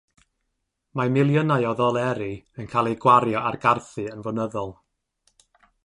Mae miliynau o ddoleri yn cael eu gwario ar garthu yn flynyddol.